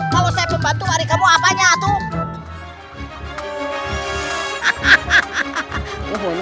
kalau kamu pembantu kamu harus berhenti